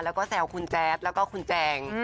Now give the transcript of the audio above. แล้วก็แซวคุณแจ๊ดแล้วก็คุณแจง